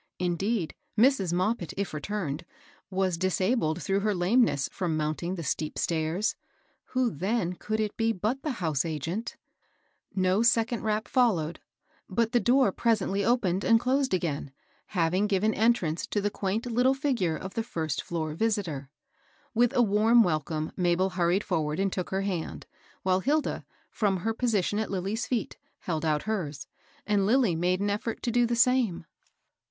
Indeed, Mrs, Moppit, if returned, was disabled through her lameness from mounting the steep stairs ; who then could it be but the house agent ? No second rap followed ; but the door presently opened and closed again, having given entrance to the quaint little figure of the first floor visitor. With a warm welcome Mabel hurried forward and took her hand, while Hilda, from her position at Lilly's feet, held out hers, and Lilly made an effort to do the same.